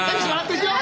いくよ。